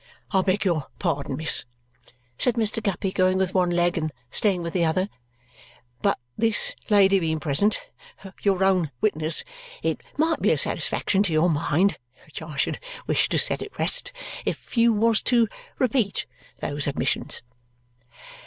"I beg your pardon, miss," said Mr. Guppy, going with one leg and staying with the other, "but this lady being present your own witness it might be a satisfaction to your mind (which I should wish to set at rest) if you was to repeat those admissions."